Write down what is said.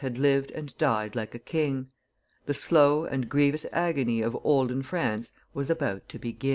had lived and died like a king. The slow and grievous agony of olden France was about to begin.